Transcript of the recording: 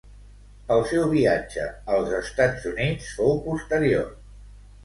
El seu viatge als Estats Units fou posterior.